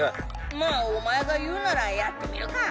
まあおまえがいうならやってみるか。